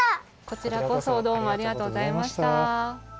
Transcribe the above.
こちらこそどうもありがとうございました。